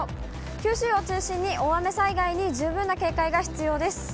九州を中心に、大雨災害に十分な警戒が必要です。